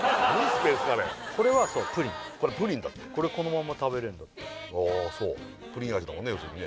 これはそうプリンこれプリンだってこれこのまま食べれるんだってああそうプリン味だもんね